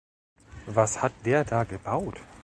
Was hat der da gebaut?